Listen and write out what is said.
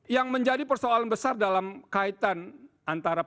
yang menjadi persoalan besar dalam kaitan antara pemerintahan dan penggunaan bantuan sosial